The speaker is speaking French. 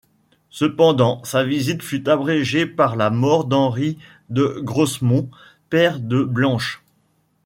Cependant, sa visite fut abrégée par la mort d'Henry de Grosmont, père de Blanche.